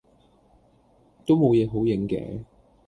都冇野好影既